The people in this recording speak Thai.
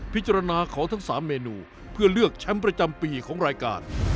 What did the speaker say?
พิจารณาเขาทั้ง๓เมนูเพื่อเลือกแชมป์ประจำปีของรายการ